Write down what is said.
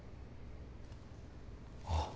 ああ。